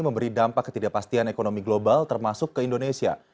memberi dampak ketidakpastian ekonomi global termasuk ke indonesia